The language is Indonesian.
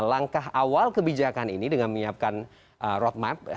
langkah awal kebijakan ini dengan menyiapkan roadmap